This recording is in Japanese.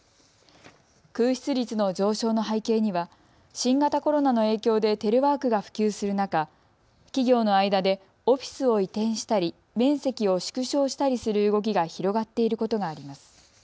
空室率の上昇の背景には新型コロナの影響でテレワークが普及する中、企業の間でオフィスを移転したり面積を縮小したりする動きが広がっていることがあります。